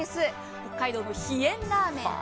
北海道の飛燕ラーメン。